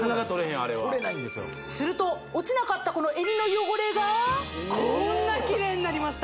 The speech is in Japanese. あれはすると落ちなかったこの襟の汚れがこーんなキレイになりました